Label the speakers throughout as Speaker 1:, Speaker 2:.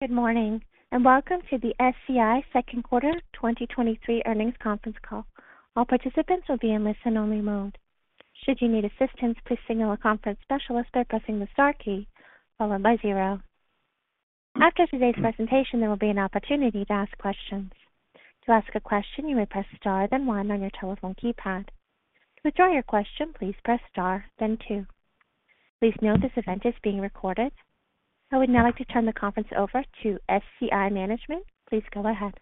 Speaker 1: Good morning, and Welcome to the SCI Q2 2023 Earnings Conference Call. All participants will be in listen-only mode. Should you need assistance, please signal a conference specialist by pressing the star key, followed by zero. After today's presentation, there will be an opportunity to ask questions. To ask a question, you may press star, then one on your telephone keypad. To withdraw your question, please press star, then two. Please note this event is being recorded. I would now like to turn the conference over to SCI Management. Please go ahead.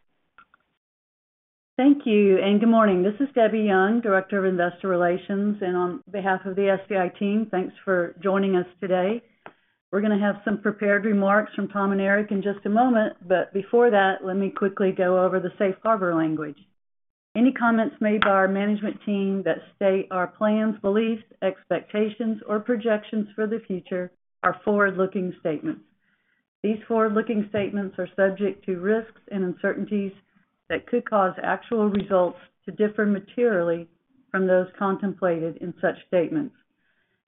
Speaker 2: Thank you, and good morning. This is Debbie Young, Director of Investor Relations, and on behalf of the SCI team, thanks for joining us today. We're going to have some prepared remarks from Tom and Eric in just a moment, but before that, let me quickly go over the safe harbor language. Any comments made by our management team that state our plans, beliefs, expectations, or projections for the future are forward-looking statements. These forward-looking statements are subject to risks and uncertainties that could cause actual results to differ materially from those contemplated in such statements.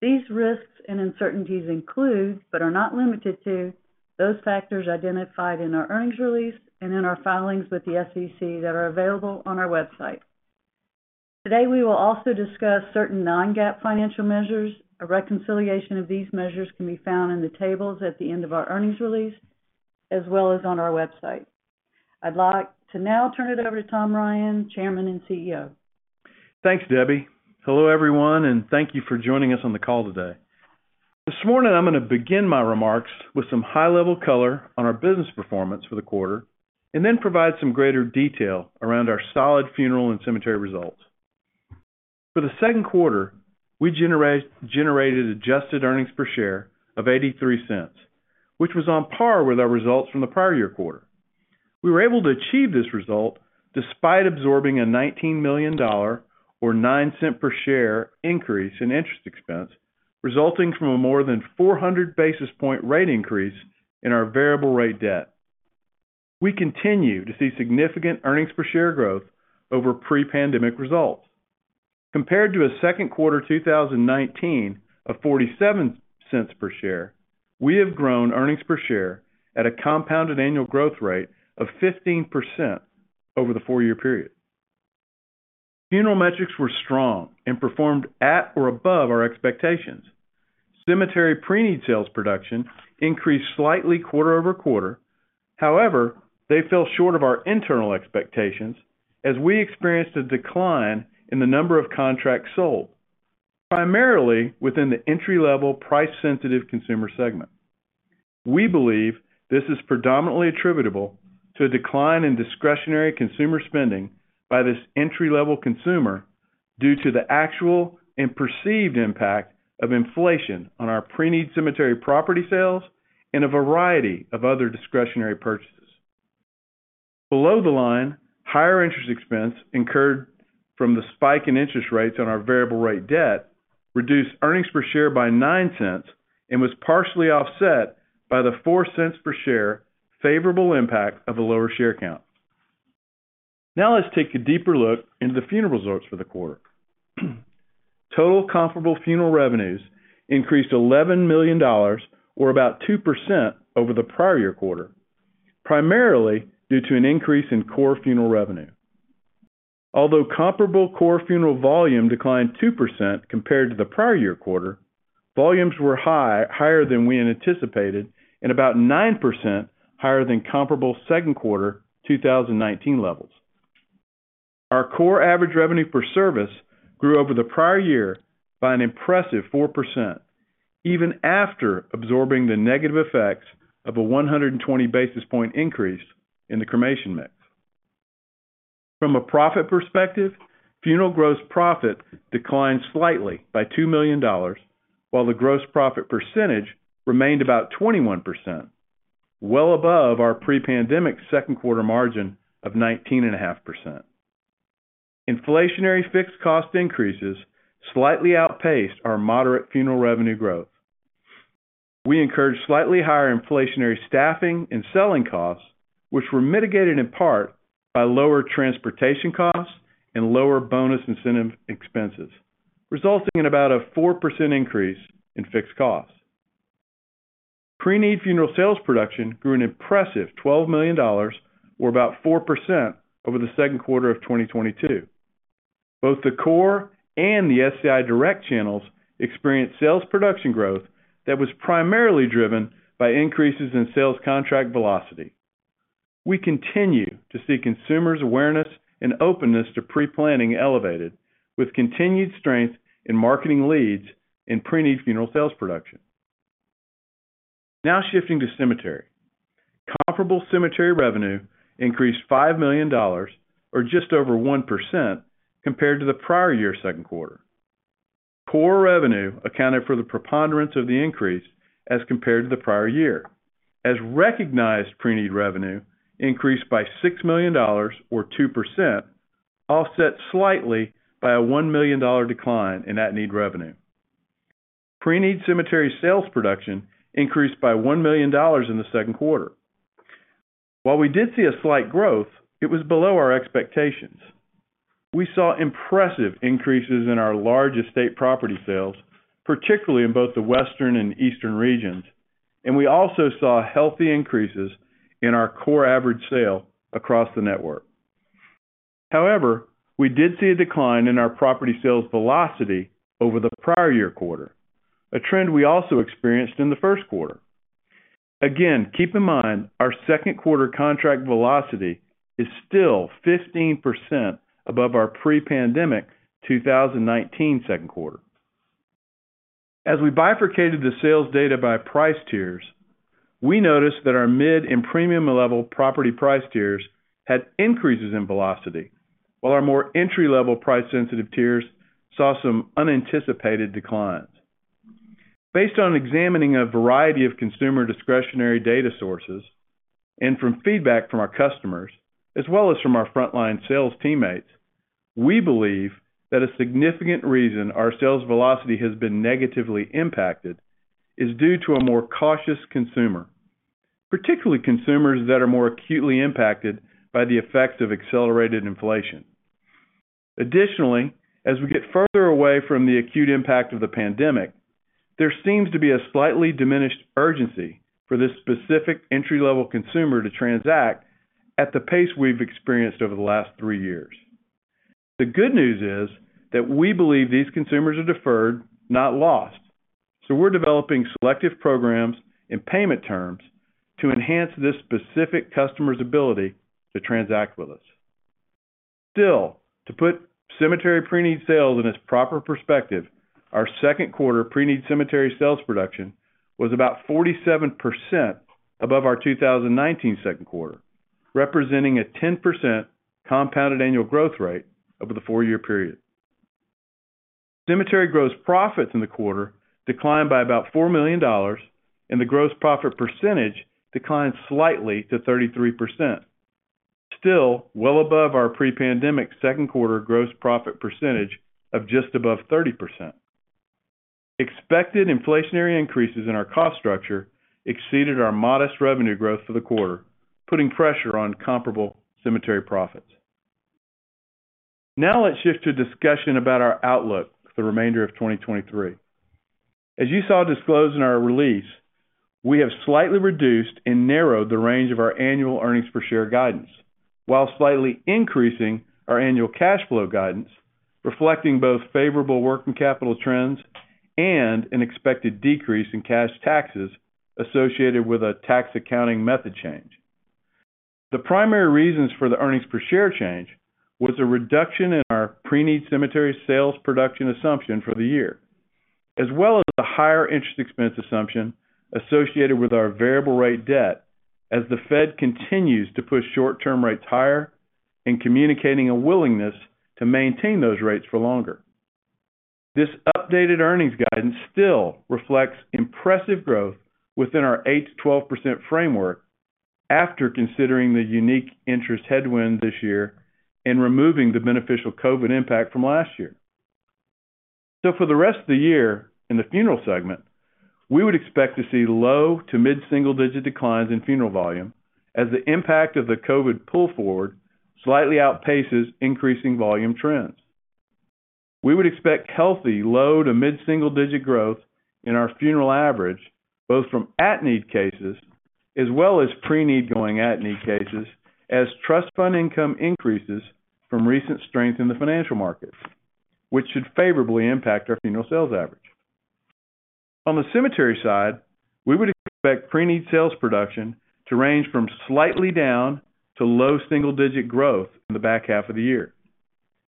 Speaker 2: These risks and uncertainties include, but are not limited to, those factors identified in our earnings release and in our filings with the SEC that are available on our website. Today, we will also discuss certain non-GAAP financial measures. A reconciliation of these measures can be found in the tables at the end of our earnings release, as well as on our website. I'd like to now turn it over to Tom Ryan, Chairman and CEO.
Speaker 3: Thanks, Debbie. Hello, everyone, thank you for joining us on the call today. This morning, I'm going to begin my remarks with some high-level color on our business performance for the quarter and then provide some greater detail around our solid funeral and cemetery results. For the Q2, we generated adjusted earnings per share of $0.83, which was on par with our results from the prior year quarter. We were able to achieve this result despite absorbing a $19 million or $0.09 per share increase in interest expense, resulting from a more than 400 basis point rate increase in our variable rate debt. We continue to see significant adjusted earnings per share growth over pre-pandemic results. Compared to a Q2 2019 of $0.47 per share, we have grown earnings per share at a compounded annual growth rate of 15% over the four-year period. Funeral metrics were strong and performed at or above our expectations. Cemetery pre-need sales production increased slightly quarter-over-quarter. However, they fell short of our internal expectations as we experienced a decline in the number of contracts sold, primarily within the entry-level, price-sensitive consumer segment. We believe this is predominantly attributable to a decline in discretionary consumer spending by this entry-level consumer due to the actual and perceived impact of inflation on our pre-need cemetery property sales and a variety of other discretionary purchases. Below the line, higher interest expense incurred from the spike in interest rates on our variable rate debt reduced earnings per share by $0.09 and was partially offset by the $0.04 per share favorable impact of the lower share count. Let's take a deeper look into the funeral results for the quarter. Total comparable funeral revenues increased $11 million or about 2% over the prior year quarter, primarily due to an increase in core funeral revenue. Comparable core funeral volume declined 2% compared to the prior year quarter, volumes were higher than we had anticipated and about 9% higher than comparable Q2 2019 levels. Our core average revenue per service grew over the prior year by an impressive 4%, even after absorbing the negative effects of a 120 basis point increase in the cremation mix. From a profit perspective, funeral gross profit declined slightly by $2 million, while the gross profit percentage remained about 21%, well above our pre-pandemic Q2 margin of 19.5%. Inflationary fixed cost increases slightly outpaced our moderate funeral revenue growth. We encouraged slightly higher inflationary staffing and selling costs, which were mitigated in part by lower transportation costs and lower bonus incentive expenses, resulting in about a 4% increase in fixed costs. Pre-need funeral sales production grew an impressive $12 million or about 4% over the Q2 of 2022. Both the core and the SCI Direct channels experienced sales production growth that was primarily driven by increases in sales contract velocity. We continue to see consumers' awareness and openness to pre-planning elevated, with continued strength in marketing leads in pre-need funeral sales production. Shifting to cemetery. Comparable cemetery revenue increased $5 million or just over 1% compared to the prior year Q2. Core revenue accounted for the preponderance of the increase as compared to the prior year, as recognized pre-need revenue increased by $6 million or 2%, offset slightly by a $1 million decline in at-need revenue. Pre-need cemetery sales production increased by $1 million in the Q2. While we did see a slight growth, it was below our expectations. We saw impressive increases in our large estate property sales, particularly in both the Western and Eastern regions, and we also saw healthy increases in our core average sale across the network. However, we did see a decline in our property sales velocity over the prior year quarter, a trend we also experienced in the Q1. Again, keep in mind, our Q2 contract velocity is still 15% above our pre-pandemic 2019 Q2. As we bifurcated the sales data by price tiers, we noticed that our mid and premium-level property price tiers had increases in velocity, while our more entry-level, price-sensitive tiers saw some unanticipated declines. Based on examining a variety of consumer discretionary data sources and from feedback from our customers, as well as from our frontline sales teammates, we believe that a significant reason our sales velocity has been negatively impacted is due to a more cautious consumer, particularly consumers that are more acutely impacted by the effects of accelerated inflation. Additionally, as we get further away from the acute impact of the pandemic, there seems to be a slightly diminished urgency for this specific entry-level consumer to transact at the pace we've experienced over the last three years. The good news is that we believe these consumers are deferred, not lost, so we're developing selective programs and payment terms to enhance this specific customer's ability to transact with us. Still, to put cemetery pre-need sales in its proper perspective, our Q2 pre-need cemetery sales production was about 47% above our 2019 Q2, representing a 10% compounded annual growth rate over the four-year period. Cemetery gross profits in the quarter declined by about $4 million, and the gross profit percentage declined slightly to 33%. Still well above our pre-pandemic Q2 gross profit percentage of just above 30%. Expected inflationary increases in our cost structure exceeded our modest revenue growth for the quarter, putting pressure on comparable cemetery profits. Now let's shift to a discussion about our outlook for the remainder of 2023. As you saw disclosed in our release, we have slightly reduced and narrowed the range of our annual earnings per share guidance, while slightly increasing our annual cash flow guidance, reflecting both favorable working capital trends and an expected decrease in cash taxes associated with a tax accounting method change. The primary reasons for the earnings per share change was a reduction in our pre-need cemetery sales production assumption for the year, as well as a higher interest expense assumption associated with our variable rate debt as the Fed continues to push short-term rates higher in communicating a willingness to maintain those rates for longer. This updated earnings guidance still reflects impressive growth within our 8%-12% framework after considering the unique interest headwind this year and removing the beneficial COVID impact from last year. For the rest of the year in the funeral segment, we would expect to see low to mid-single-digit declines in funeral volume as the impact of the COVID pull forward slightly outpaces increasing volume trends. We would expect healthy, low to mid-single-digit growth in our funeral average, both from at-need cases as well as pre-need going at-need cases, as trust fund income increases from recent strength in the financial markets, which should favorably impact our funeral sales average. On the cemetery side, we would expect pre-need sales production to range from slightly down to low-single-digit growth in the back half of the year.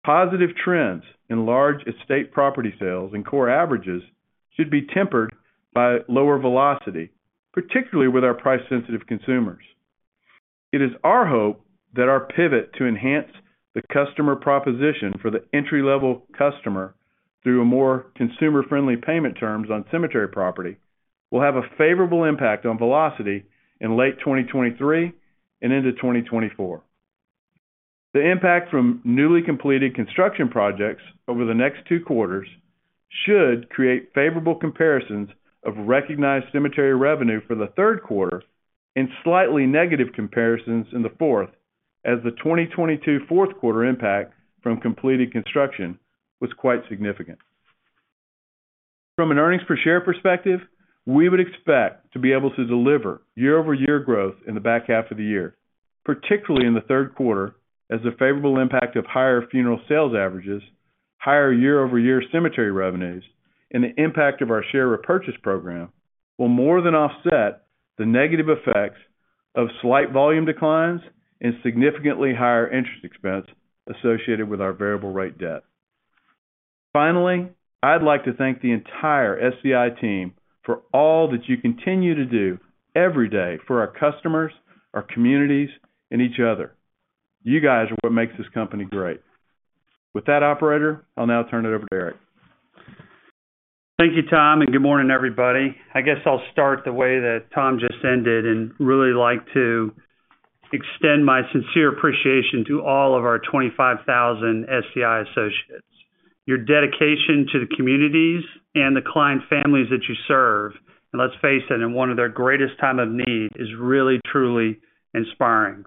Speaker 3: Positive trends in large estate property sales and core averages should be tempered by lower velocity, particularly with our price-sensitive consumers. It is our hope that our pivot to enhance the customer proposition for the entry-level customer through a more consumer-friendly payment terms on cemetery property, will have a favorable impact on velocity in late 2023 and into 2024. The impact from newly completed construction projects over the next two quarters should create favorable comparisons of recognized cemetery revenue for the Q3 and slightly negative comparisons in the fourth, as the 2022 Q4 impact from completed construction was quite significant. From an earnings per share perspective, we would expect to be able to deliver year-over-year growth in the back half of the year, particularly in the Q3, as the favorable impact of higher funeral sales averages, higher year-over-year cemetery revenues, and the impact of our share repurchase program will more than offset the negative effects of slight volume declines and significantly higher interest expense associated with our variable rate debt. Finally, I'd like to thank the entire SCI team for all that you continue to do every day for our customers, our communities, and each other. You guys are what makes this company great. With that, operator, I'll now turn it over to Eric.
Speaker 4: Thank you, Tom, and good morning, everybody. I guess I'll start the way that Tom just ended and really like to extend my sincere appreciation to all of our 25,000 SCI associates. Your dedication to the communities and the client families that you serve, and let's face it, in one of their greatest time of need, is really, truly inspiring.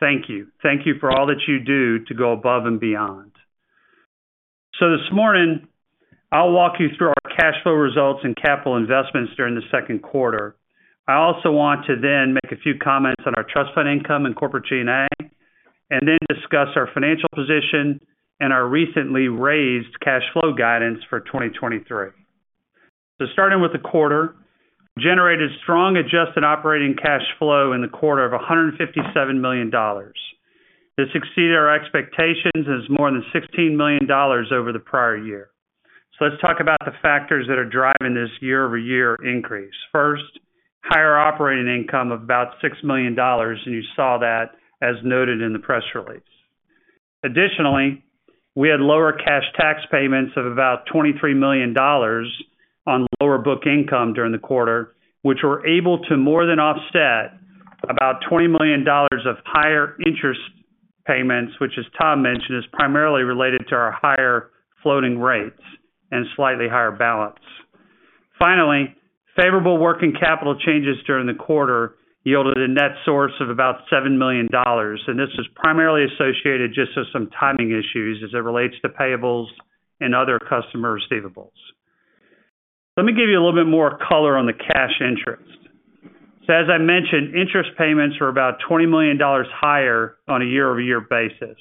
Speaker 4: Thank you. Thank you for all that you do to go above and beyond. This morning, I'll walk you through our cash flow results and capital investments during the Q2. I also want to then make a few comments on our trust fund income and corporate G&A, and then discuss our financial position and our recently raised cash flow guidance for 2023. Starting with the quarter, generated strong adjusted operating cash flow in the quarter of $157 million. This exceeded our expectations and is more than $16 million over the prior year. Let's talk about the factors that are driving this year-over-year increase. First, higher operating income of about $6 million, and you saw that as noted in the press release. Additionally, we had lower cash tax payments of about $23 million on lower book income during the quarter, which were able to more than offset about $20 million of higher interest payments, which, as Tom mentioned, is primarily related to our higher floating rates and slightly higher balance. Finally, favorable working capital changes during the quarter yielded a net source of about $7 million, and this is primarily associated just to some timing issues as it relates to payables and other customer receivables. Let me give you a little bit more color on the cash interest. As I mentioned, interest payments are about $20 million higher on a year-over-year basis.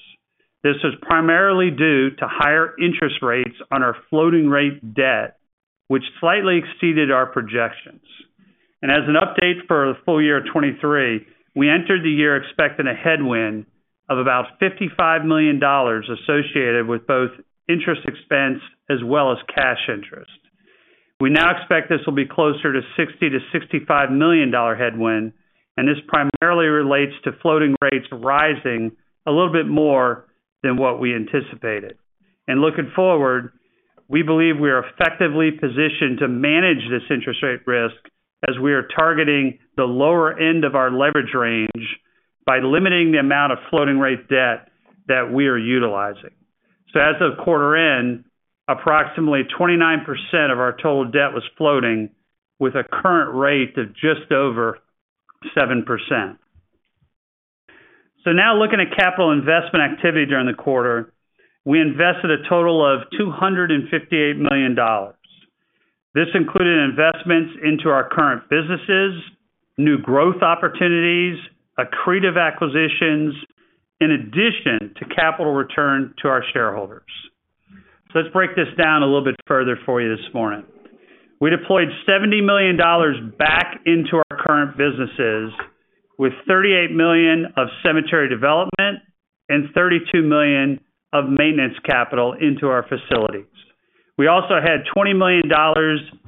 Speaker 4: This is primarily due to higher interest rates on our floating rate debt, which slightly exceeded our projections. As an update for the full year of 2023, we entered the year expecting a headwind of about $55 million associated with both interest expense as well as cash interest. We now expect this will be closer to a $60 million-$65 million headwind, and this primarily relates to floating rates rising a little bit more than what we anticipated. Looking forward, we believe we are effectively positioned to manage this interest rate risk as we are targeting the lower end of our leverage range by limiting the amount of floating rate debt that we are utilizing. As of quarter end, approximately 29% of our total debt was floating with a current rate of just over 7%. Now looking at capital investment activity during the quarter, we invested a total of $258 million. This included investments into our current businesses, new growth opportunities, accretive acquisitions, in addition to capital return to our shareholders. Let's break this down a little bit further for you this morning. We deployed $70 million back into our current businesses, with $38 million of cemetery development and $32 million of maintenance capital into our facilities. We also had $20 million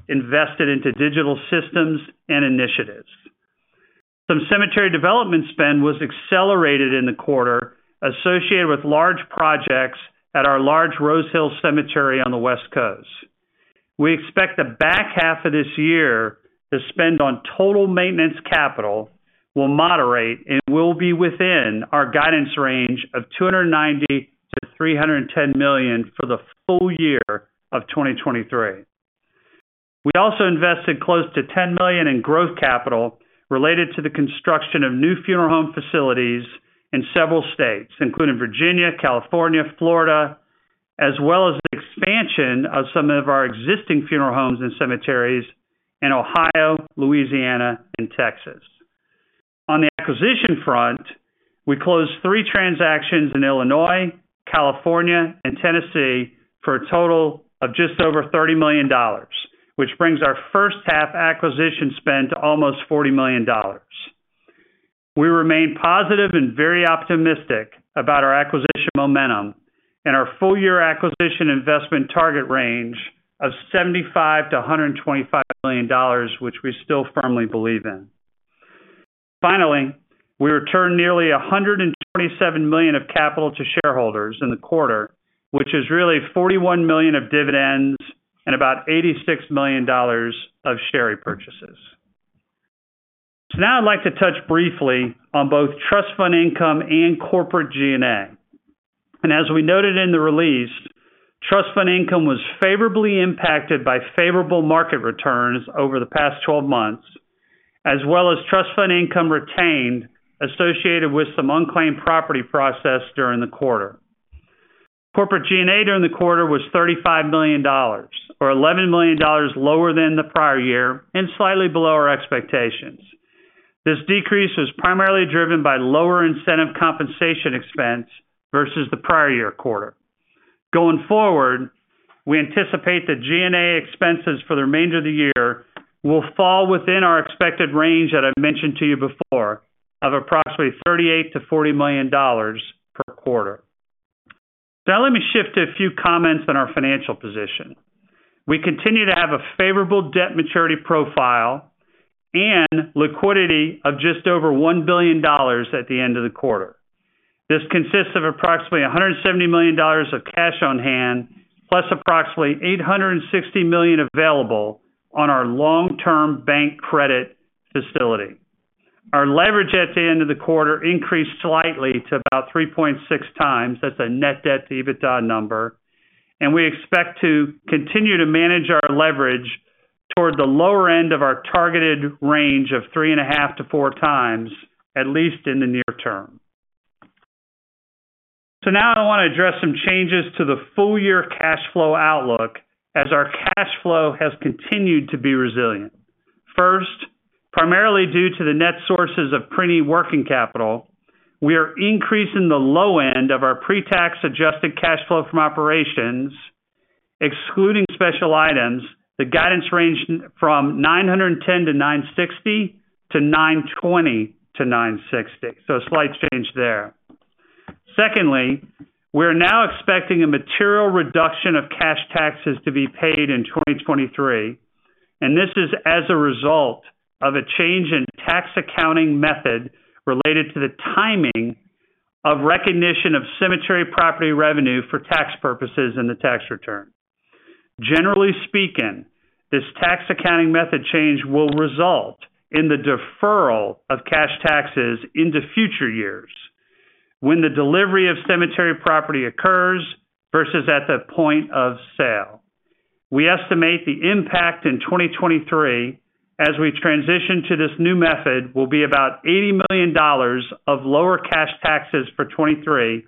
Speaker 4: invested into digital systems and initiatives. Some cemetery development spend was accelerated in the quarter, associated with large projects at our large Rose Hills Cemetery on the West Coast. We expect the back half of this year to spend on total maintenance capital will moderate and will be within our guidance range of $290 million-$310 million for the full year of 2023. We also invested close to $10 million in growth capital related to the construction of new funeral home facilities in several states, including Virginia, California, Florida, as well as the expansion of some of our existing funeral homes and cemeteries in Ohio, Louisiana, and Texas. On the acquisition front, we closed three transactions in Illinois, California, and Tennessee for a total of just over $30 million, which brings our first-half acquisition spend to almost $40 million. We remain positive and very optimistic about our acquisition momentum and our full-year acquisition investment target range of $75 million-$125 million, which we still firmly believe in. Finally, we returned nearly $127 million of capital to shareholders in the quarter, which is really $41 million of dividends and about $86 million of share repurchases. Now I'd like to touch briefly on both trust fund income and corporate G&A. As we noted in the release, trust fund income was favorably impacted by favorable market returns over the past 12 months, as well as trust fund income retained associated with some unclaimed property process during the quarter. Corporate G&A during the quarter was $35 million, or $11 million lower than the prior year and slightly below our expectations. This decrease was primarily driven by lower incentive compensation expense versus the prior year quarter. Going forward, we anticipate the G&A expenses for the remainder of the year will fall within our expected range that I mentioned to you before, of approximately $38 million-$40 million per quarter. Now, let me shift to a few comments on our financial position. We continue to have a favorable debt maturity profile and liquidity of just over $1 billion at the end of the quarter. This consists of approximately $170 million of cash on hand, plus approximately $860 million available on our long-term bank credit facility. Our leverage at the end of the quarter increased slightly to about 3.6x. That's a net debt to EBITDA number. We expect to continue to manage our leverage toward the lower end of our targeted range of 3.5x-4x, at least in the near term. Now I want to address some changes to the full-year cash flow outlook as our cash flow has continued to be resilient. First, primarily due to the net sources of printing working capital, we are increasing the low end of our pre-tax adjusted cash flow from operations, excluding special items, the guidance range from $910 million-$960 million to $920 million-$960 million, so a slight change there. Secondly, we're now expecting a material reduction of cash taxes to be paid in 2023, and this is as a result of a change in tax accounting method related to the timing of recognition of cemetery property revenue for tax purposes in the tax return. Generally speaking, this tax accounting method change will result in the deferral of cash taxes into future years when the delivery of cemetery property occurs versus at the point of sale. We estimate the impact in 2023, as we transition to this new method, will be about $80 million of lower cash taxes for 2023.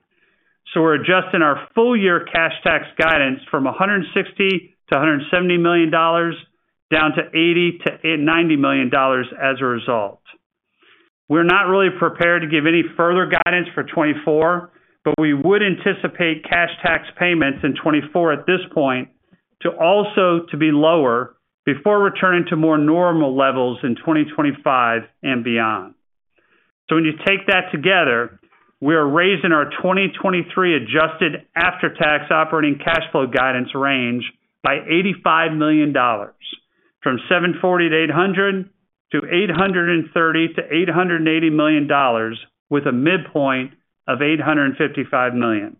Speaker 4: We're adjusting our full-year cash tax guidance from $160 million-$170 million, down to $80 million-$90 million as a result. We're not really prepared to give any further guidance for 2024. We would anticipate cash tax payments in 2024 at this point to also be lower before returning to more normal levels in 2025 and beyond. When you take that together, we are raising our 2023 adjusted after-tax operating cash flow guidance range by $85 million, from $740 million-$800 million to $830 million-$880 million, with a midpoint of $855 million.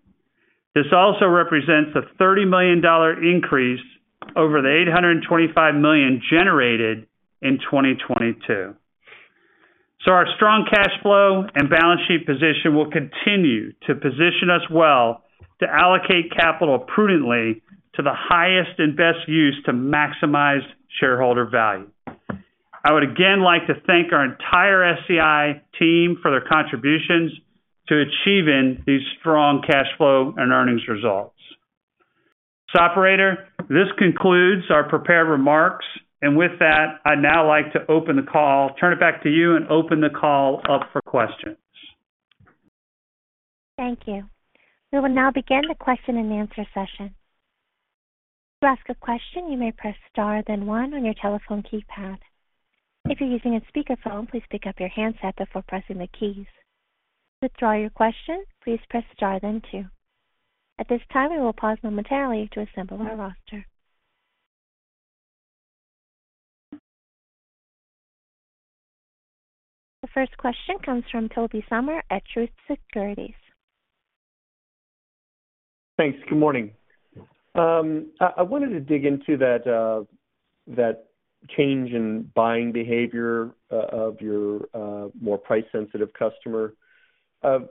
Speaker 4: This also represents a $30 million increase over the $825 million generated in 2022. Our strong cash flow and balance sheet position will continue to position us well to allocate capital prudently to the highest and best use to maximize shareholder value. I would again like to thank our entire SCI team for their contributions to achieving these strong cash flow and earnings results. Operator, this concludes our prepared remarks, and with that, I'd now like to turn it back to you and open the call up for questions.
Speaker 1: Thank you. We will now begin the question-and-answer session. To ask a question, you may press star, then one on your telephone keypad. If you're using a speakerphone, please pick up your handset before pressing the keys. To withdraw your question, please press star, then two. At this time, we will pause momentarily to assemble our roster. The first question comes from Tobey Sommer at Truist Securities.
Speaker 5: Thanks. Good morning. I, I wanted to dig into that, that change in buying behavior of your more price-sensitive customer.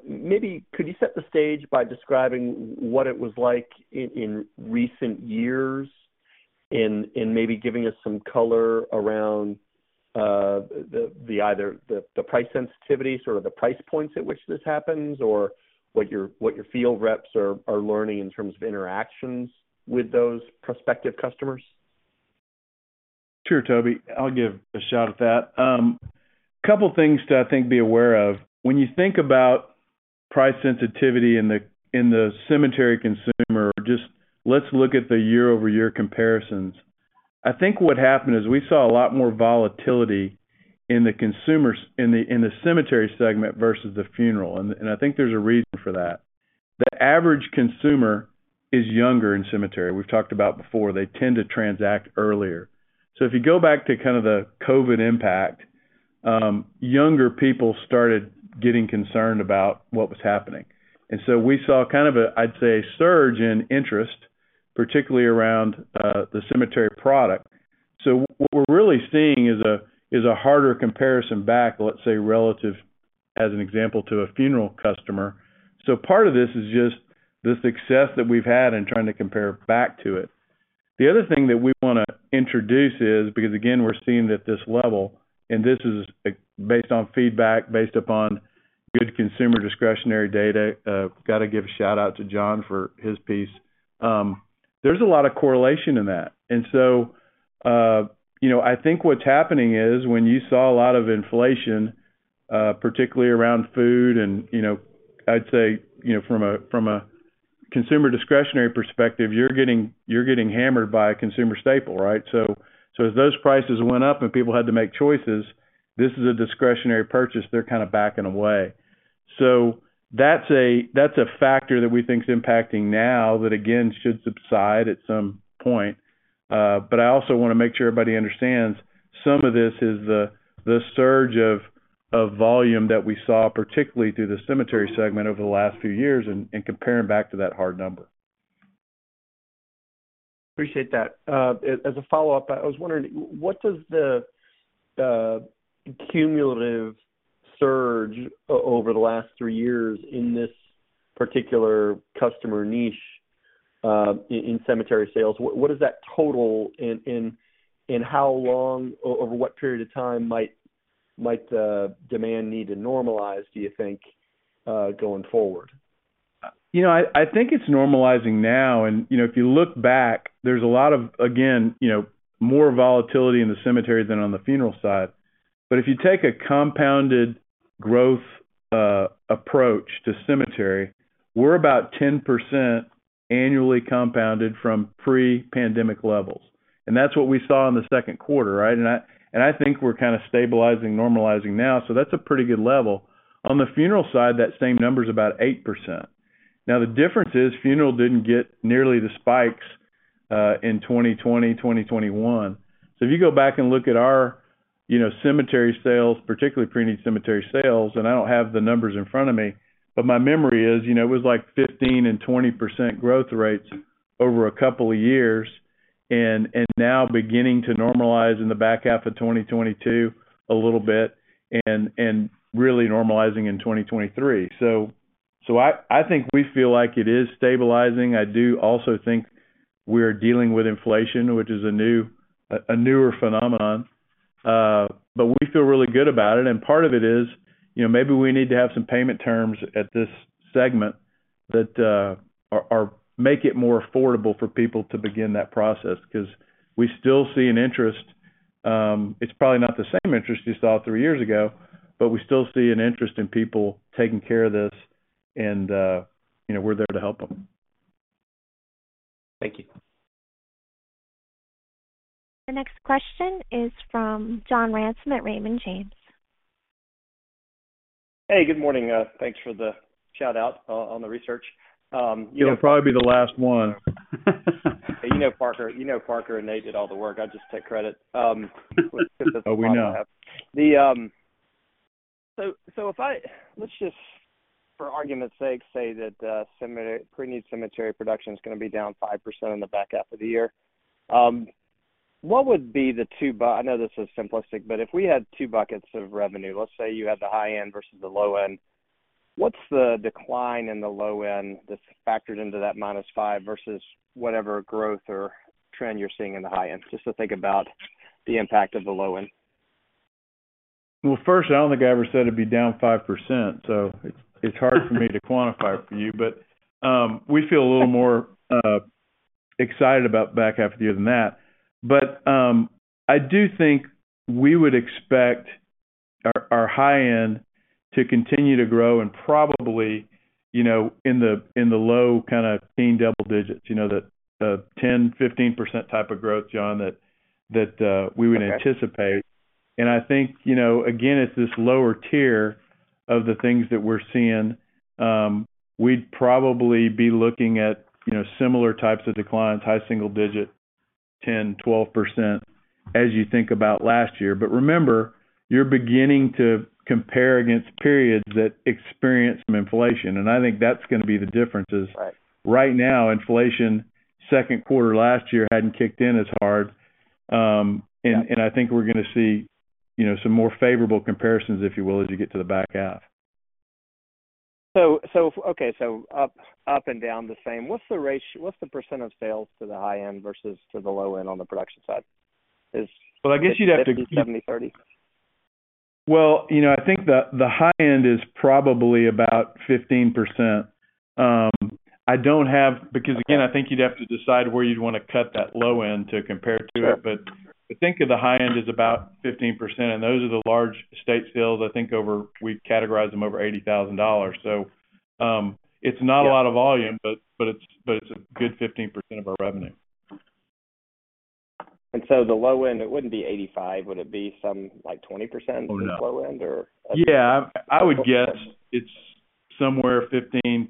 Speaker 5: Maybe could you set the stage by describing what it was like in, in recent years and, and maybe giving us some color around the, the either the, the price sensitivity, sort of the price points at which this happens, or what your, what your field reps are, are learning in terms of interactions with those prospective customers?
Speaker 3: Sure, Tobey, I'll give a shot at that. Couple things to, I think, be aware of. When you think about price sensitivity in the, in the cemetery consumer, just let's look at the year-over-year comparisons. I think what happened is we saw a lot more volatility in the cemetery segment versus the funeral, and, and I think there's a reason for that. The average consumer is younger in cemetery. We've talked about before, they tend to transact earlier. So if you go back to kind of the COVID impact, younger people started getting concerned about what was happening, and so we saw kind of a, I'd say, surge in interest, particularly around the cemetery product. So what we're really seeing is a, is a harder comparison back, let's say, relative as an example, to a funeral customer. Part of this is just the success that we've had in trying to compare back to it. The other thing that we wanna introduce is, because, again, we're seeing it at this level, and this is based on feedback, based upon good consumer discretionary data. Got to give a shout-out to John for his piece. There's a lot of correlation in that. You know, I think what's happening is when you saw a lot of inflation, particularly around food and, you know, I'd say, you know, from a, from a consumer discretionary perspective, you're getting, you're getting hammered by a consumer staple, right? As those prices went up and people had to make choices, this is a discretionary purchase. They're kind of backing away. That's a, that's a factor that we think is impacting now that, again, should subside at some point. I also want to make sure everybody understands some of this is the, the surge of, of volume that we saw, particularly through the cemetery segment over the last few years and, and comparing back to that hard number.
Speaker 5: Appreciate that. As a follow-up, I was wondering, what does the cumulative surge over the last three years in this particular customer niche, in cemetery sales, what does that total, and how long, over what period of time might the demand need to normalize, do you think, going forward?
Speaker 3: You know, I, I think it's normalizing now. You know, if you look back, there's a lot of, again, you know, more volatility in the cemetery than on the funeral side. If you take a compounded growth approach to cemetery, we're about 10% annually compounded from pre-pandemic levels, and that's what we saw in the Q2, right? I, and I think we're kind of stabilizing, normalizing now. That's a pretty good level. On the funeral side, that same number is about 8%. The difference is, funeral didn't get nearly the spikes in 2020, 2021. If you go back and look at our, you know, cemetery sales, particularly pre-need cemetery sales, and I don't have the numbers in front of me, but my memory is, you know, it was like 15% and 20% growth rates over a couple of years, and now beginning to normalize in the back half of 2022 a little bit, and really normalizing in 2023. I think we feel like it is stabilizing. I do also think we are dealing with inflation, which is a newer phenomenon. We feel really good about it, and part of it is, you know, maybe we need to have some payment terms at this segment that are, make it more affordable for people to begin that process, 'cause we still see an interest. It's probably not the same interest you saw three years ago, but we still see an interest in people taking care of this, and, you know, we're there to help them.
Speaker 5: Thank you.
Speaker 1: The next question is from John Ransom at Raymond James.
Speaker 6: Hey, good morning. thanks for the shout-out on the research. you know
Speaker 3: It'll probably be the last one.
Speaker 6: You know, Parker, you know Parker and Nate did all the work. I just take credit.
Speaker 3: Oh, we know.
Speaker 6: So if I let's just, for argument's sake, say that, cemetery, pre-need cemetery production is gonna be down 5% in the back half of the year. What would be the two I know this is simplistic, but if we had two buckets of revenue, let's say you had the high end versus the low end, what's the decline in the low end that's factored into that -5% versus whatever growth or trend you're seeing in the high end? Just to think about the impact of the low end.
Speaker 3: Well, first, I don't think I ever said it'd be down 5%, so it's, it's hard for me to quantify it for you. We feel a little more excited about the back half of the year than that. I do think we would expect our, our high end to continue to grow and probably, you know, in the, in the low kind of teen double-digits, you know, the, the 10%, 15% type of growth, John, that, that we would anticipate. I think, you know, again, it's this lower tier of the things that we're seeing, we'd probably be looking at, you know, similar types of declines, high single-digit, 10%, 12%, as you think about last year. Remember, you're beginning to compare against periods that experienced some inflation, and I think that's gonna be the differences.
Speaker 6: Right.
Speaker 3: Right now, inflation, Q2 last year, hadn't kicked in as hard. And I think we're gonna see, you know, some more favorable comparisons, if you will, as you get to the back half.
Speaker 6: Up and down the same. What's the percentage of sales to the high end versus to the low end on the production side?
Speaker 3: Well, I guess you'd have to
Speaker 6: 70/30.
Speaker 3: Well, you know, I think the, the high end is probably about 15%. I don't have. Because, again, I think you'd have to decide where you'd want to cut that low end to compare to it. I think of the high end as about 15%, and those are the large estate sales. We categorize them over $80,000. It's not a lot of volume, but it's a good 15% of our revenue.
Speaker 6: So the low end, it wouldn't be 85%, would it be some, like, 20% for the low end, or?
Speaker 3: Yeah, I would guess it's somewhere 15%.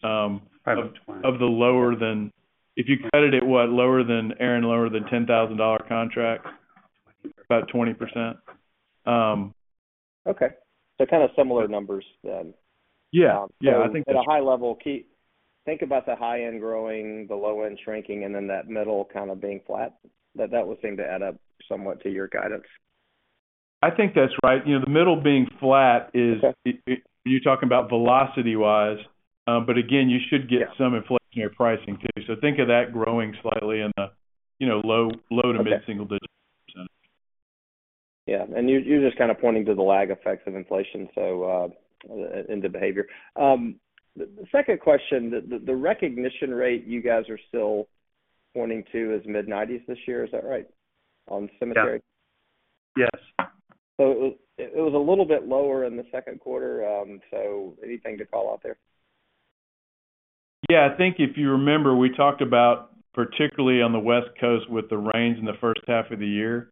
Speaker 6: Probably 20%.
Speaker 3: Of the If you cut it at what, lower than [around], lower than $10,000 contract?
Speaker 5: 20%.
Speaker 3: About 20%.
Speaker 6: Okay. Kind of similar numbers then?
Speaker 3: Yeah. Yeah, I think.
Speaker 6: At a high level, think about the high end growing, the low end shrinking, and then that middle kind of being flat, that, that would seem to add up somewhat to your guidance.
Speaker 3: I think that's right. You know, the middle being flat is, you're talking about velocity-wise? Again, you should some inflationary pricing, too. Think of that growing slightly in the, you know, low, low to mid single-digits.
Speaker 6: Yeah, you're, you're just kind of pointing to the lag effects of inflation, so, in the behavior. The second question, the, the, the recognition rate, you guys are still pointing to is mid-90s this year. Is that right, on cemetery?
Speaker 3: Yes.
Speaker 6: It, it was a little bit lower in the Q2, so anything to call out there?
Speaker 3: Yeah, I think if you remember, we talked about, particularly on the West Coast, with the rains in the first half of the year.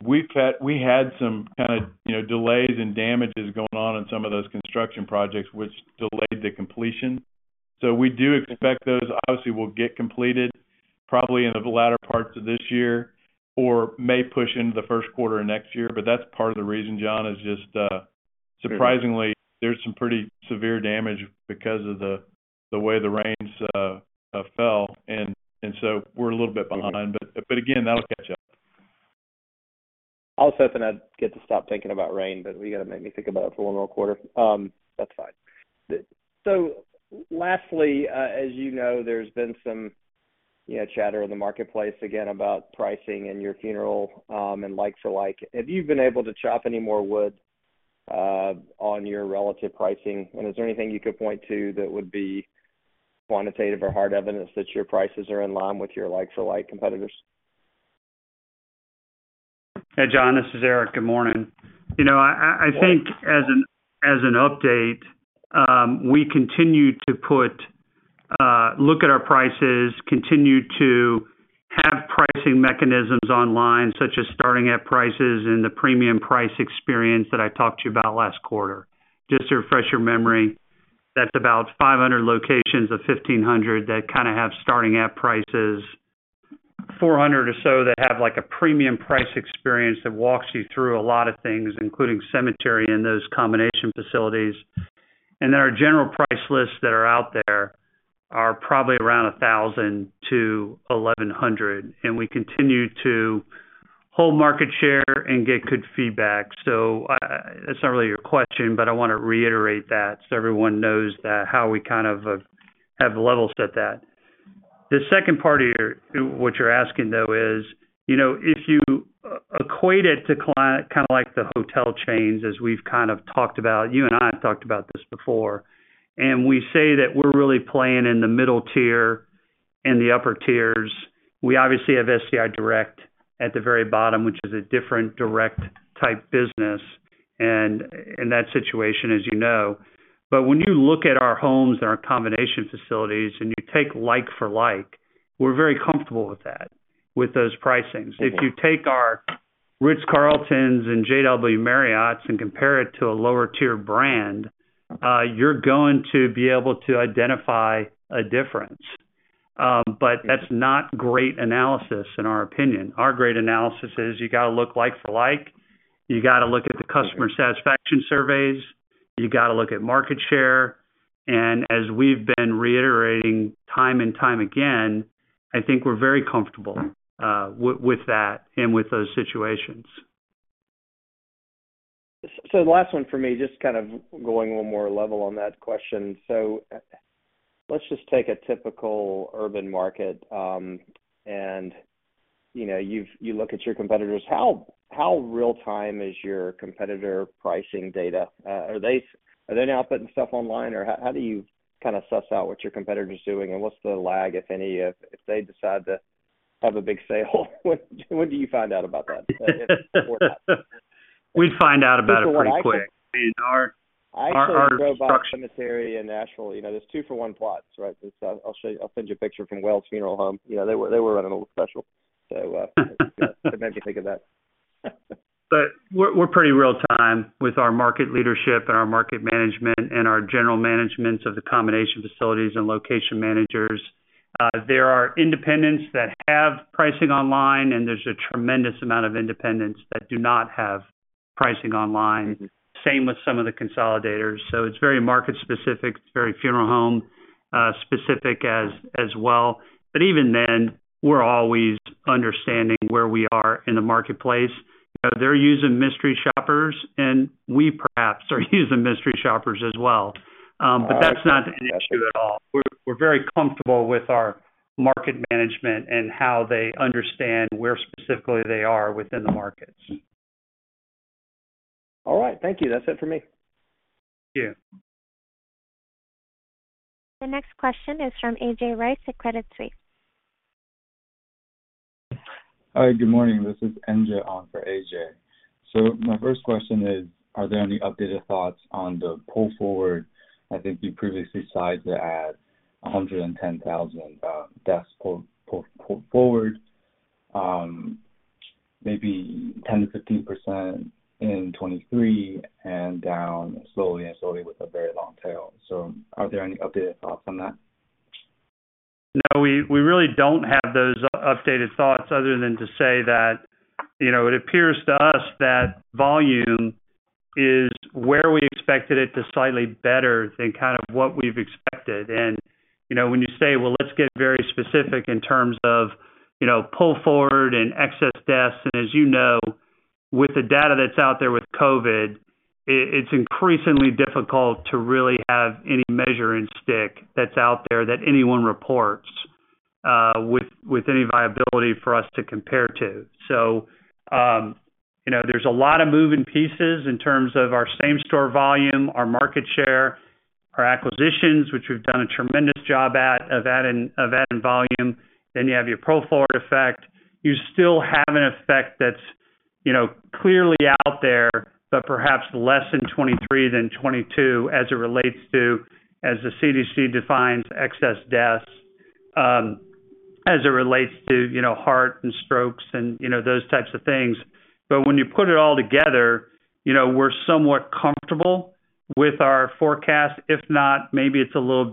Speaker 3: We had some kind of, you know, delays and damages going on in some of those construction projects, which delayed the completion. We do expect those, obviously, will get completed probably in the latter parts of this year or may push into the Q1 of next year, that's part of the reason, John, is just surprisingly, there's some pretty severe damage because of the way the rains fell, and so we're a little bit behind. Again, that'll catch up.
Speaker 6: I was hoping I'd get to stop thinking about rain, but you gotta make me think about it for one more quarter. That's fine. Lastly, as you know, there's been some, you know, chatter in the marketplace again, about pricing and your funeral, and likes alike. Have you been able to chop any more wood on your relative pricing? Is there anything you could point to that would be quantitative or hard evidence that your prices are in line with your likes alike competitors?
Speaker 4: Hey, John, this is Eric. Good morning. You know, I, I, I think as an, as an update, we continue to put, look at our prices, continue to have pricing mechanisms online, such as starting at prices and the premium price experience that I talked to you about last quarter. Just to refresh your memory, that's about 500 locations of 1,500 that kind of have starting at prices. 400 or so that have, like, a premium price experience that walks you through a lot of things, including cemetery and those combination facilities. There are General Price Lists that are out there are probably around 1,000-1,100, and we continue to hold market share and get good feedback. That's not really your question, but I wanna reiterate that so everyone knows that, how we kind of have level set that. The second part of your what you're asking, though, is, you know, if you equate it to kind of like the hotel chains, as we've kind of talked about, you and I have talked about this before, and we say that we're really playing in the middle tier and the upper tiers. We obviously have SCI Direct at the very bottom, which is a different direct type business, and in that situation, as you know. When you look at our homes and our combination facilities and you take like for like, we're very comfortable with that, with those pricings. If you take our The Ritz-Carlton and JW Marriott and compare it to a lower tier brand, you're going to be able to identify a difference. That's not great analysis, in our opinion. Our great analysis is you gotta look like for like, you gotta look at the customer satisfaction surveys, you gotta look at market share, and as we've been reiterating time and time again, I think we're very comfortable, with, with that and with those situations.
Speaker 6: The last one for me, just kind of going one more level on that question. Let's just take a typical urban market, and, you know, you look at your competitors. How, how real time is your competitor pricing data? Are they, are they now putting stuff online, or how, how do you kind of suss out what your competitor's doing? What's the lag, if any, if, if they decide to have a big sale, when, when do you find out about that?
Speaker 4: We find out about it pretty quick.
Speaker 6: Cemetery in Nashville, you know, there's two for one plots, right? I'll send you a picture from Wells Funeral Home. You know, they were, they were running a little special, it made me think of that.
Speaker 4: We're, we're pretty real-time with our market leadership and our market management and our general managements of the combination facilities and location managers. There are independents that have pricing online, and there's a tremendous amount of independents that do not have pricing online. Same with some of the consolidators. It's very market specific, it's very funeral home specific as, as well. Even then, we're always understanding where we are in the marketplace. They're using mystery shoppers, and we perhaps are using mystery shoppers as well. That's not an issue at all. We're, we're very comfortable with our market management and how they understand where specifically they are within the markets.
Speaker 6: All right, thank you. That's it for me.
Speaker 4: Yeah.
Speaker 1: The next question is from A.J. Rice at Credit Suisse.
Speaker 7: Hi, good morning. This is NJ on for A.J. So my first question is, are there any updated thoughts on the pull forward? I think you previously cited at 110,000 deaths pull forward, maybe 10%-15% in 2023, and down slowly and slowly with a very long tail. Are there any updated thoughts on that?
Speaker 4: No, we, we really don't have those updated thoughts other than to say that, you know, it appears to us that volume is where we expected it to slightly better than kind of what we've expected. You know, when you say, well, let's get very specific in terms of, you know, pull forward and excess deaths, and as you know, with the data that's out there with COVID, it's increasingly difficult to really have any measuring stick that's out there that anyone reports with, with any viability for us to compare to. You know, there's a lot of moving pieces in terms of our same-store volume, our market share, our acquisitions, which we've done a tremendous job at of adding, of adding volume. You have your pull forward effect. You still have an effect that's, you know, clearly out there, but perhaps less in 23 than 22, as it relates to, as the CDC defines excess deaths, as it relates to, you know, heart and strokes and, you know, those types of things. When you put it all together, you know, we're somewhat comfortable with our forecast. If not, maybe it's a little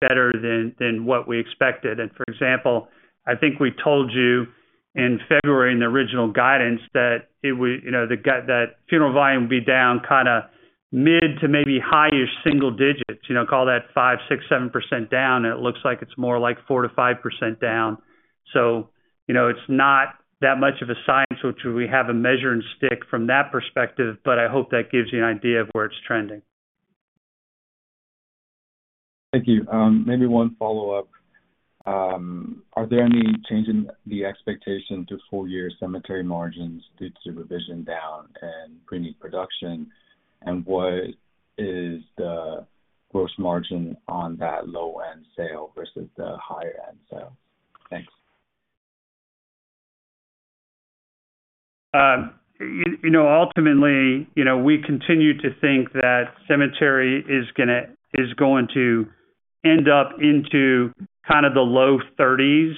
Speaker 4: better than, than what we expected. For example, I think we told you in February, in the original guidance, that it would, you know, that funeral volume would be down kind of mid to maybe higher single-digits, you know, call that 5%-7% down, and it looks like it's more like 4%-5% down. You know, it's not that much of a science, which we have a measure and stick from that perspective, but I hope that gives you an idea of where it's trending.
Speaker 7: Thank you. Maybe one follow-up. Are there any change in the expectation to full year cemetery margins due to revision down and pre-need production? What is the gross margin on that low-end sale versus the high-end sale? Thanks.
Speaker 4: you know, ultimately, you know, we continue to think that cemetery is going to end up into kind of the low 30s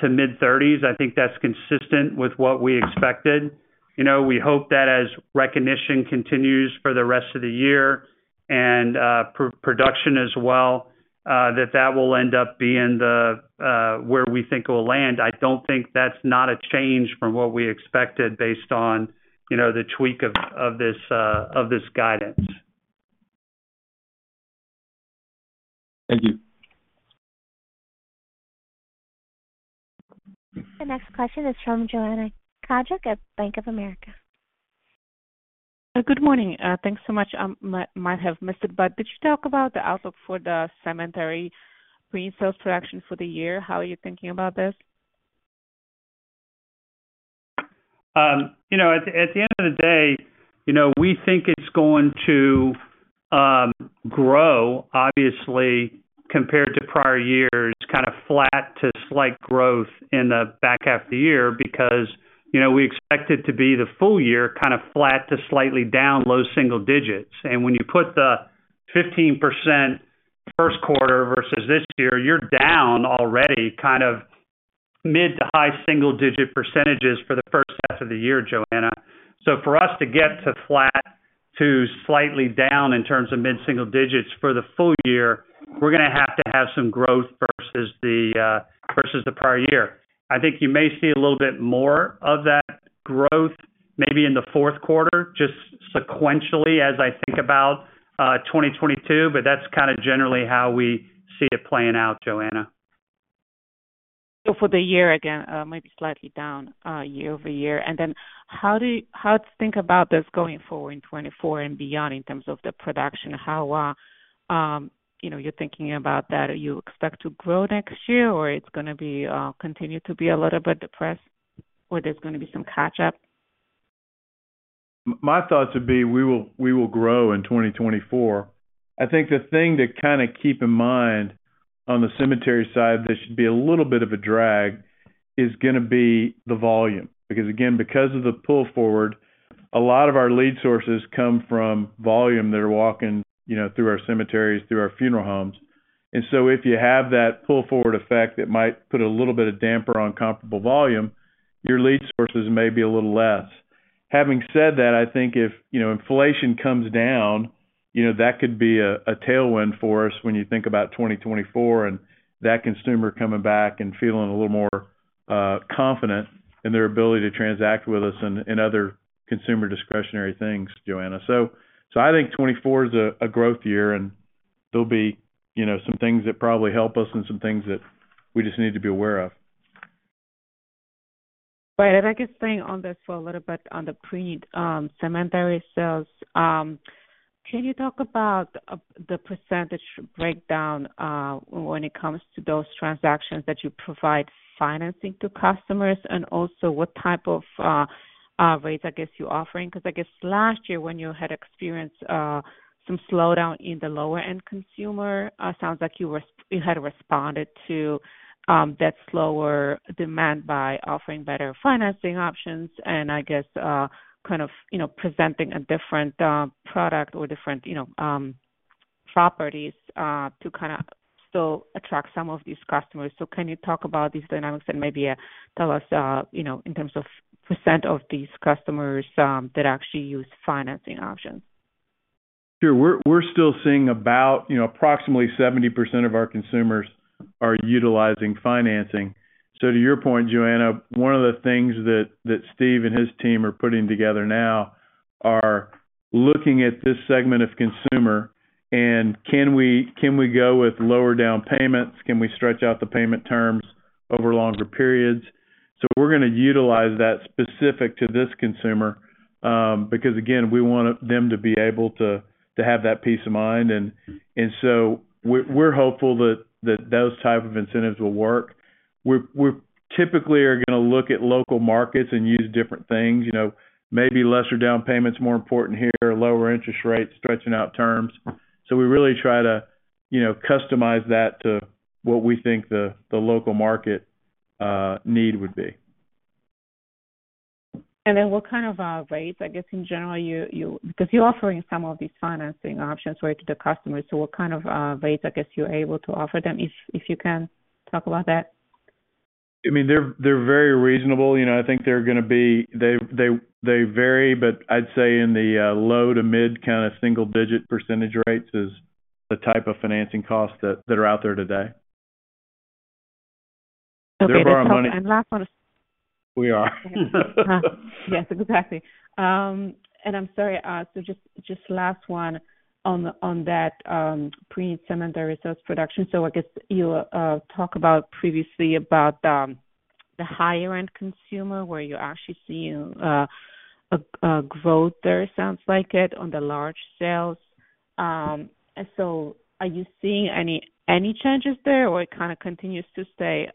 Speaker 4: to mid-30s. I think that's consistent with what we expected. You know, we hope that as recognition continues for the rest of the year, and production as well, that, that will end up being the, where we think it will land. I don't think that's not a change from what we expected based on, you know, the tweak of, of this, of this guidance.
Speaker 7: Thank you.
Speaker 1: The next question is from Joanna Gajuk at Bank of America.
Speaker 8: Good morning. Thanks so much. I might have missed it, but did you talk about the outlook for the cemetery pre-sale production for the year? How are you thinking about this?
Speaker 4: You know, at, at the end of the day, you know, we think it's going to, grow, obviously, compared to prior years, kind of flat to slight growth in the back half of the year. Because, you know, we expect it to be the full year, kind of flat to slightly down, low single-digits. And when you put the 15% Q1 versus this year, you're down already kind of mid to high single-digit percentages for the first half of the year, Joanna. So for us to get to flat, to slightly down in terms of mid-single-digits for the full year, we're gonna have to have some growth versus the, versus the prior year. I think you may see a little bit more of that growth, maybe in the Q4, just sequentially as I think about, 2022, but that's kind of generally how we see it playing out, Joanna.
Speaker 8: For the year again, maybe slightly down, year-over-year. Then how to think about this going forward in 2024 and beyond in terms of the production? How, you know, you're thinking about that? Do you expect to grow next year, or it's gonna be, continue to be a little bit depressed, or there's gonna be some catch up?
Speaker 3: My thoughts would be, we will, we will grow in 2024. I think the thing to kind of keep in mind on the cemetery side, there should be a little bit of a drag, is gonna be the volume. Because, again, because of the pull forward, a lot of our lead sources come from volume that are walking, you know, through our cemeteries, through our funeral homes. So if you have that pull forward effect, it might put a little bit of damper on comparable volume, your lead sources may be a little less. Having said that, I think if, you know, inflation comes down, you know, that could be a, a tailwind for us when you think about 2024, and that consumer coming back and feeling a little more confident in their ability to transact with us and, and other consumer discretionary things, Joanna. I think 2024 is a growth year, and there'll be, you know, some things that probably help us and some things that we just need to be aware of.
Speaker 8: Right. If I could stay on this for a little bit on the pre-need cemetery sales. Can you talk about the percentage breakdown when it comes to those transactions that you provide financing to customers? Also what type of rates, I guess, you're offering? I guess last year when you had experienced some slowdown in the lower-end consumer, sounds like you were, you had responded to that slower demand by offering better financing options and I guess, kind of, you know, presenting a different product or different, you know, properties to kind of still attract some of these customers. Can you talk about these dynamics and maybe tell us, you know, in terms of % of these customers that actually use financing options?
Speaker 3: Sure. We're, we're still seeing about, you know, approximately 70% of our consumers are utilizing financing. To your point, Joanna, one of the things that, that Steve and his team are putting together now are looking at this segment of consumer and can we, can we go with lower down payments? Can we stretch out the payment terms over longer periods? We're gonna utilize that specific to this consumer because, again, we want them to be able to, to have that peace of mind. We're hopeful that, that those type of incentives will work. We're, we're typically are gonna look at local markets and use different things. You know, maybe lesser down payment's more important here, lower interest rates, stretching out terms. We really try to, you know, customize that to what we think the, the local market need would be.
Speaker 8: What kind of rates, I guess, in general, because you're offering some of these financing options right, to the customers. What kind of rates, I guess, you're able to offer them, if, if you can talk about that?
Speaker 3: I mean, they're, they're very reasonable. You know, I think they're gonna vary, but I'd say in the low to mid kind of single-digit percentage rates is the type of financing costs that are out there today.
Speaker 8: Okay, that's helpful. Last one
Speaker 3: We are.
Speaker 8: Yes, exactly. I'm sorry, just last one on that, pre-need cemetery sales production. I guess you talked about previously about the higher-end consumer, where you're actually seeing a growth there. Sounds like it, on the large sales. Are you seeing any changes there, or it kind of continues to stay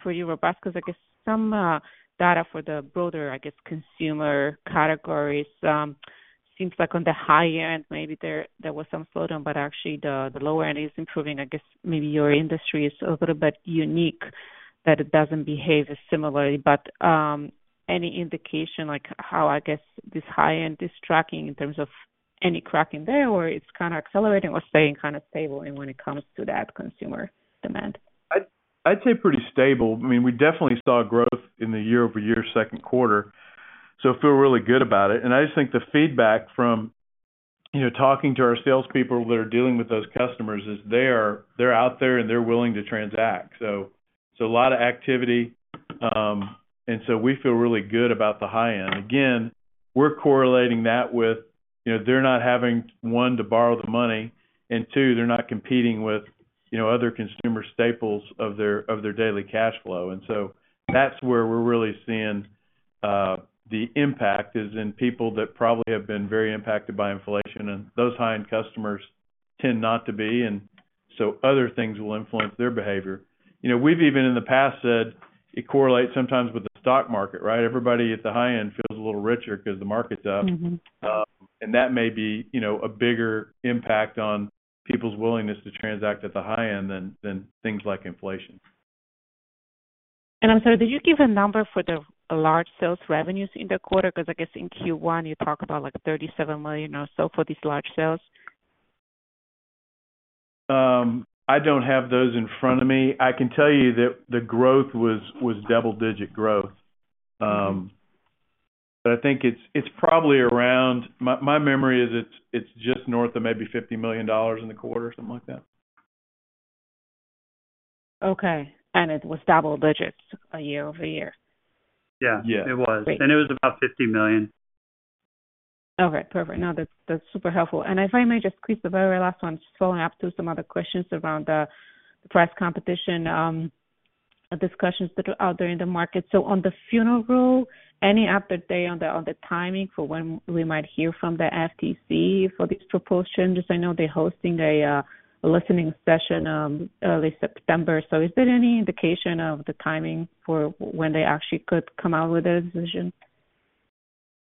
Speaker 8: pretty robust? I guess some data for the broader, I guess, consumer categories, seems like on the high end, maybe there was some slowdown, but actually the lower end is improving. I guess maybe your industry is a little bit unique, that it doesn't behave as similarly. any indication, like, how, I guess, this high end is tracking in terms of any cracking there, or it's kind of accelerating or staying kind of stable when it comes to that consumer demand?
Speaker 3: I'd say pretty stable. I mean, we definitely saw growth in the year-over-year Q2, so I feel really good about it. I just think the feedback from, you know, talking to our salespeople that are dealing with those customers is they are, they're out there, and they're willing to transact. A lot of activity, so we feel really good about the high end. Again, we're correlating that with, you know, they're not having, one, to borrow the money, and two, they're not competing with, you know, other consumer staples of their, of their daily cash flow. That's where we're really seeing the impact, is in people that probably have been very impacted by inflation, and those high-end customers tend not to be, and so other things will influence their behavior. You know, we've even in the past said it correlates sometimes with the stock market, right? Everybody at the high end feels a little richer because the market's up. That may be, you know, a bigger impact on people's willingness to transact at the high end than, than things like inflation.
Speaker 8: I'm sorry, did you give a number for the large sales revenues in the quarter? Because I guess in Q1, you talked about, like, $37 million or so for these large sales.
Speaker 3: I don't have those in front of me. I can tell you that the growth was double-digit growth. I think it's probably around. My memory is it's just north of maybe $50 million in the quarter or something like that.
Speaker 8: Okay, it was double-digits a year-over-year?
Speaker 4: Yeah.
Speaker 3: Yeah.
Speaker 4: It was.
Speaker 8: Great.
Speaker 4: It was about $50 million.
Speaker 8: Okay, perfect. Now that's, that's super helpful. If I may just squeeze the very last one, just following up to some other questions around the price competition, discussions that are out there in the market. On the Funeral Rule, any update on the, on the timing for when we might hear from the FTC for this proportion? Just I know they're hosting a listening session early September. Is there any indication of the timing for when they actually could come out with a decision?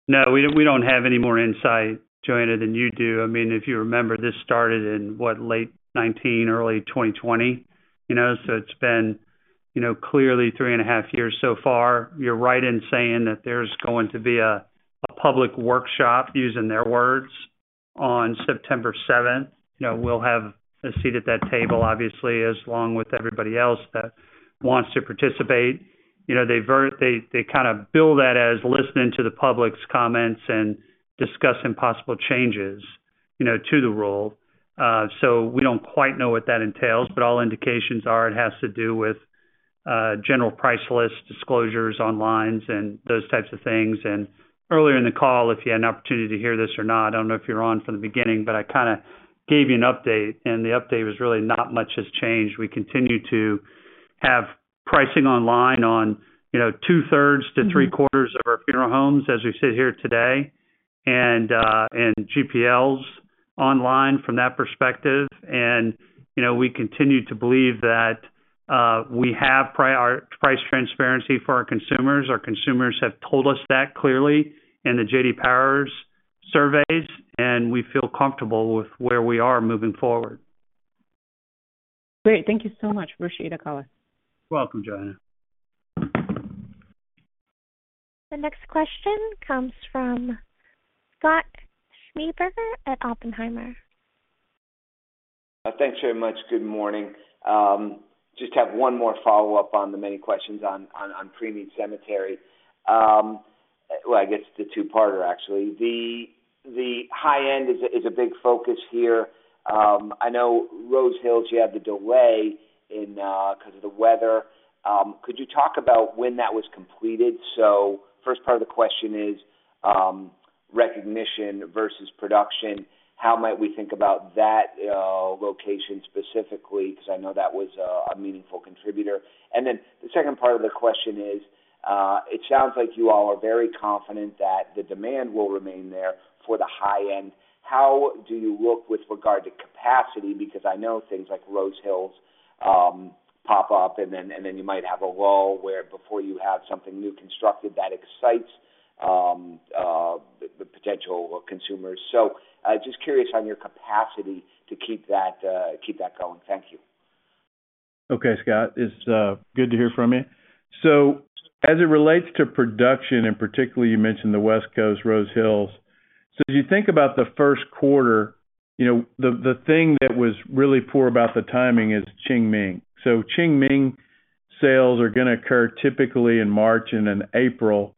Speaker 4: No, we don't, we don't have any more insight, Joanna, than you do. I mean, if you remember, this started in, what, late 2019, early 2020, you know, so it's been, you know, clearly 3.5 years so far. You're right in saying that there's going to be a, a public workshop, using their words, on 7 September 2023. You know, we'll have a seat at that table, obviously, as along with everybody else that wants to participate. You know, they, they kind of bill that as listening to the public's comments and discussing possible changes, you know, to the Rule. So we don't quite know what that entails, but all indications are it has to do with General Price List disclosures online and those types of things. Earlier in the call, if you had an opportunity to hear this or not, I don't know if you were on from the beginning, but I kind of gave you an update. The update was really not much has changed. We continue to have pricing online on, you know, 2/3-3/4 of our funeral homes as we sit here today, and GPLs online from that perspective. You know, we continue to believe that, we have price transparency for our consumers. Our consumers have told us that clearly in the J.D. Power surveys, and we feel comfortable with where we are moving forward.
Speaker 8: Great. Thank you so much. Appreciate you to call us.
Speaker 4: You're welcome, Joanna.
Speaker 1: The next question comes from Scott Schneeberger at Oppenheimer.
Speaker 9: Thanks very much. Good morning. Just have one more follow-up on the many questions on pre-need cemetery. Well, I guess it's a two-parter, actually. The high end is a big focus here. I know Rose Hills, you had the delay in because of the weather. Could you talk about when that was completed? First part of the question is recognition versus production. How might we think about that location specifically? Because I know that was a meaningful contributor. The second part of the question is, it sounds like you all are very confident that the demand will remain there for the high end. How do you look with regard to capacity? I know things like Rose Hills, pop up, and then, and then you might have a lull where before you have something new constructed that excites, the, the potential consumers. Just curious on your capacity to keep that, keep that going. Thank you.
Speaker 3: Okay, Scott, it's good to hear from you. As it relates to production, and particularly, you mentioned the West Coast, Rose Hills. As you think about the Q1, you know, the, the thing that was really poor about the timing is Qingming. Qingming sales are going to occur typically in March and in April,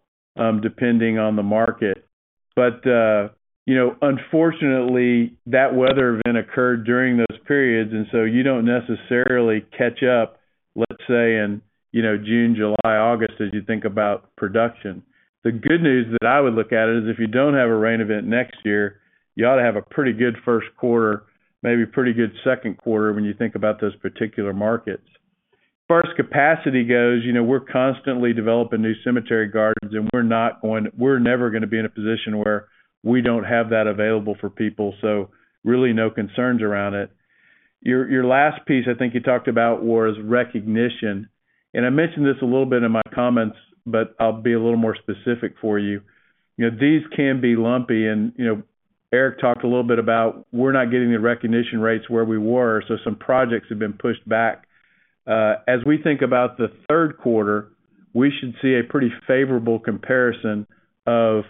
Speaker 3: depending on the market. You know, unfortunately, that weather event occurred during those periods, and so you don't necessarily catch up, let's say, in, you know, June, July, August, as you think about production. The good news that I would look at is if you don't have a rain event next year, you ought to have a pretty good Q1, maybe pretty good Q2 when you think about those particular markets. As far as capacity goes, you know, we're constantly developing new cemetery gardens, and we're not going, we're never going to be in a position where we don't have that available for people, so really no concerns around it. Your last piece, I think you talked about, was recognition, and I mentioned this a little bit in my comments, but I'll be a little more specific for you. You know, these can be lumpy and, you know, Eric talked a little bit about we're not getting the recognition rates where we were, so some projects have been pushed back. As we think about the Q3, we should see a pretty favorable comparison of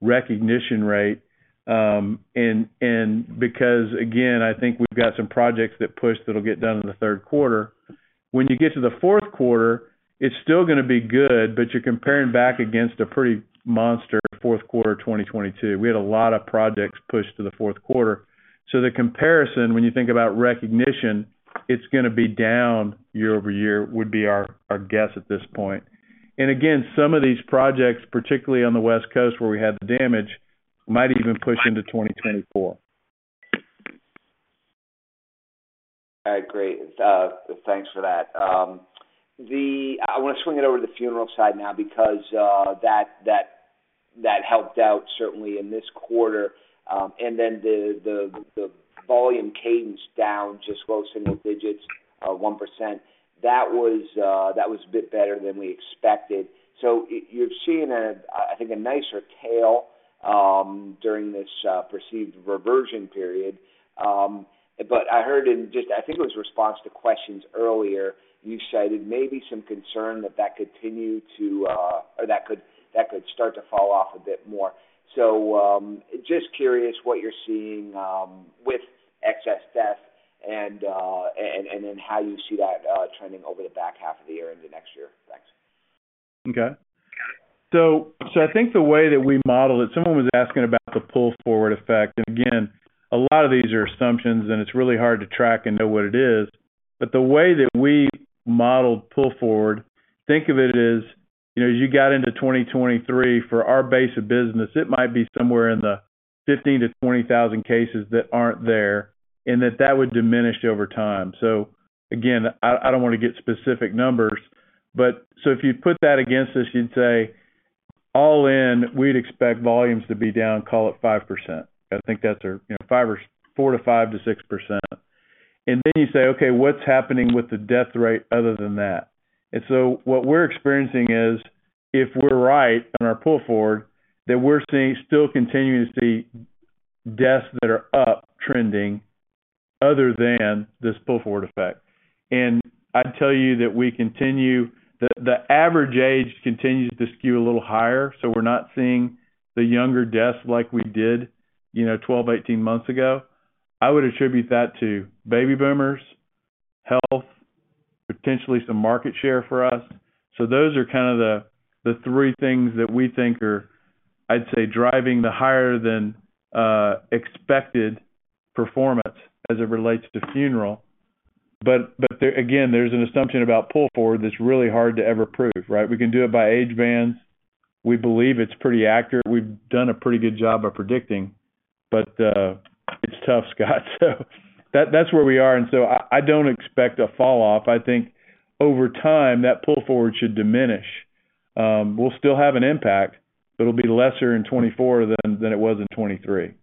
Speaker 3: recognition rate, because, again, I think we've got some projects that pushed, that'll get done in the Q3. You get to the Q4, it's still going to be good, but you're comparing back against a pretty monster Q4, 2022. We had a lot of projects pushed to the Q4. The comparison, when you think about recognition, it's going to be down year-over-year, would be our, our guess at this point. Again, some of these projects, particularly on the West Coast, where we had the damage, might even push into 2024.
Speaker 9: All right, great, thanks for that. I want to swing it over to the funeral side now because that helped out certainly in this quarter. The volume cadence down just close to the digits of 1%. That was a bit better than we expected. You've seen a, I think, a nicer tail during this perceived reversion period. I heard in just I think it was response to questions earlier, you cited maybe some concern that that continued to, or that could, that could start to fall off a bit more. Just curious what you're seeing with excess death and, and then how you see that trending over the back half of the year into next year. Thanks.
Speaker 3: Okay. I think the way that we modeled it, someone was asking about the pull-forward effect. Again, a lot of these are assumptions, and it's really hard to track and know what it is. The way that we modeled pull forward, think of it as, you know, as you got into 2023, for our base of business, it might be somewhere in the 15,000-20,000 cases that aren't there, and that that would diminish over time. If you put that against this, you'd say, all in, we'd expect volumes to be down, call it 5%. I think that's a, you know, 5% or 4%-5%-6%. You say, okay, what's happening with the death rate other than that? So what we're experiencing is, if we're right on our pull forward, that we're seeing still continuing to see deaths that are up trending other than this pull-forward effect. I'd tell you that we continue the, the average age continues to skew a little higher, so we're not seeing the younger deaths like we did, you know, 12, 18 months ago. I would attribute that to baby boomers, health, potentially some market share for us. Those are kind of the, the three things that we think are, I'd say, driving the higher than expected performance as it relates to funeral. There again, there's an assumption about pull forward that's really hard to ever prove, right? We can do it by age bands. We believe it's pretty accurate. We've done a pretty good job of predicting, but it's tough, Scott. That, that's where we are, and so I, I don't expect a fall off. I think over time, that pull forward should diminish. We'll still have an impact, but it'll be lesser in 2024 than, than it was in 2023.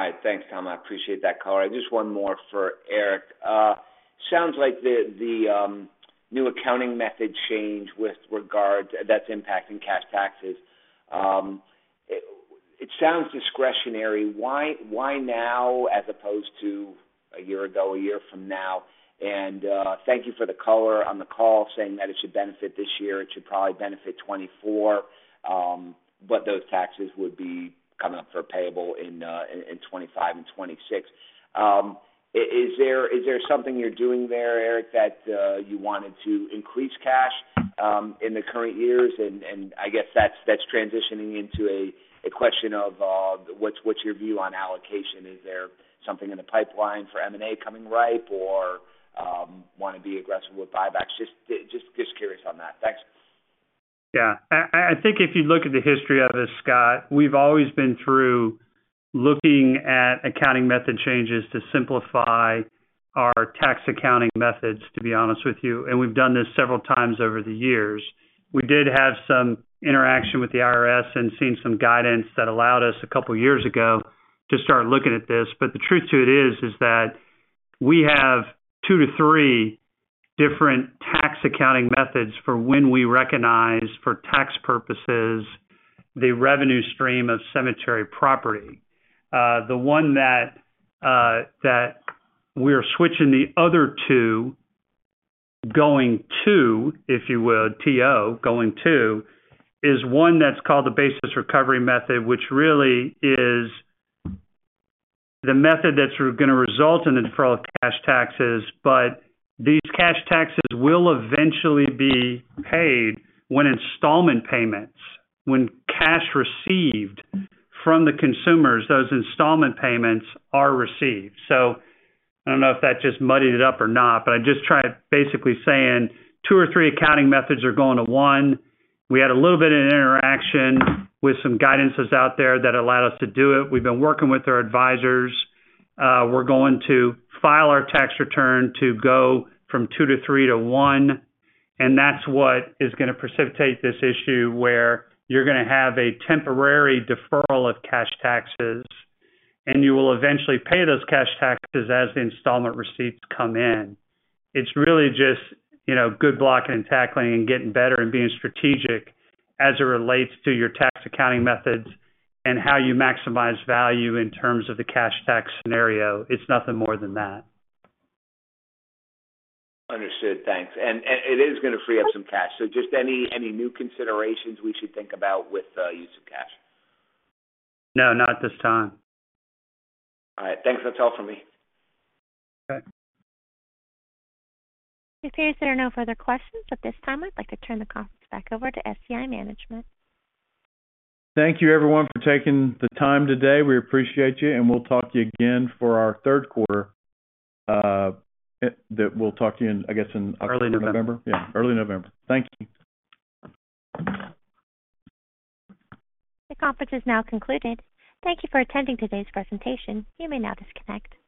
Speaker 9: All right. Thanks, Tom. I appreciate that color. Just one more for Eric. Sounds like the, the new accounting method change with regards, that's impacting cash taxes. It, it sounds discretionary. Why, why now, as opposed to a year ago, a year from now? Thank you for the color on the call, saying that it should benefit this year, it should probably benefit 2024, but those taxes would be coming up for payable in, in 2025 and 2026. Is there, is there something you're doing there, Eric, that you wanted to increase cash in the current years? And I guess that's, that's transitioning into a, a question of what's, what's your view on allocation? Is there something in the pipeline for M&A coming ripe or want to be aggressive with buybacks? Just curious on that. Thanks.
Speaker 4: Yeah. I, I, I think if you look at the history of this, Scott, we've always been through looking at accounting method changes to simplify our tax accounting methods, to be honest with you, and we've done this several times over the years. We did have some interaction with the IRS and seen some guidance that allowed us a couple of years ago to start looking at this. But the truth to it is, is that we have two to three different tax accounting methods for when we recognize, for tax purposes, the revenue stream of cemetery property. The one that we are switching the other two, going to, if you will, is one that's called the basis recovery method, which really is the method that's going to result in a deferral of cash taxes. These cash taxes will eventually be paid when installment payments, when cash received from the consumers, those installment payments are received. I don't know if that just muddied it up or not, but I'm just trying to basically saying two or three accounting methods are going to one. We had a little bit of an interaction with some guidances out there that allowed us to do it. We've been working with our advisors. We're going to file our tax return to go from two to three to one, and that's what is going to precipitate this issue where you're going to have a temporary deferral of cash taxes, and you will eventually pay those cash taxes as the installment receipts come in. It's really just, you know, good blocking and tackling and getting better and being strategic as it relates to your tax accounting methods and how you maximize value in terms of the cash tax scenario. It's nothing more than that.
Speaker 9: Understood. Thanks. It is going to free up some cash. Just any, any new considerations we should think about with use of cash?
Speaker 4: No, not at this time.
Speaker 9: All right. Thanks. That's all for me.
Speaker 4: Okay.
Speaker 1: It appears there are no further questions at this time. I'd like to turn the conference back over to SCI management.
Speaker 3: Thank you, everyone, for taking the time today. We appreciate you, and we'll talk to you again for our Q3, that we'll talk to you in, I guess.
Speaker 4: Early November.
Speaker 3: Yeah, early November. Thank you.
Speaker 1: The conference is now concluded. Thank you for attending today's presentation. You may now disconnect.